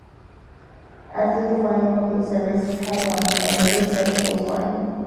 After the final public service had run, a members special was run.